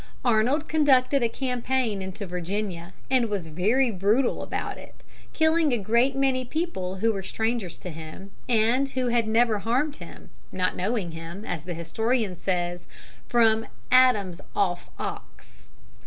Arnold conducted a campaign into Virginia, and was very brutal about it, killing a great many people who were strangers to him, and who had never harmed him, not knowing him, as the historian says, from "Adam's off ox."